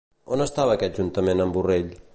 On estava aquest juntament amb Borrell?